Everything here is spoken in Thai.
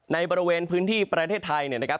ในบริเวณพื้นที่ประเทศไทยเนี่ยนะครับ